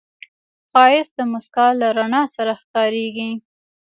ښایست د موسکا له رڼا سره ښکاریږي